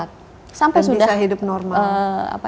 dan bisa hidup normal